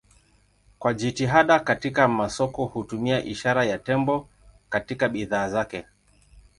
Kwa jitihada katika masoko hutumia ishara ya tembo katika bidhaa zake.